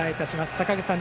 坂口さん